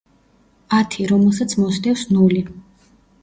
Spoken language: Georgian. ათი, რომელსაც მოსდევს ნული.